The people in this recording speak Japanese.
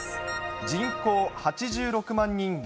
人口８６万人減。